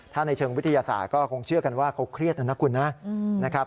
ถ้าในเชิงวิทยาศาสตร์ก็คงเชื่อกันว่าเขาเครียดนะนะคุณนะนะครับ